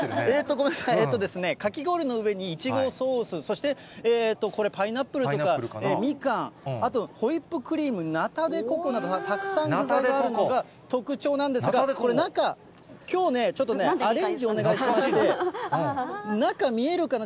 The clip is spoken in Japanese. ごめんなさい、かき氷の上にイチゴソース、そしてこれ、パイナップルとかミカン、あと、ホイップクリーム、ナタデココなど、たくさん具材があるのが特徴なんですが、これ、中、きょうね、ちょっとね、アレンジお願いしまして、中見えるかな。